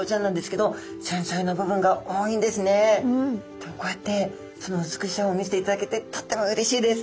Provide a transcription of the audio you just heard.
でもこうやってその美しさを見せていただけてとってもうれしいです。